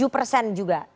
tujuh persen juga